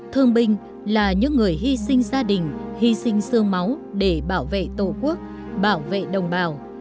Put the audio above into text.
thương binh là những người hy sinh gia đình hy sinh sương máu để bảo vệ tổ quốc bảo vệ đồng bào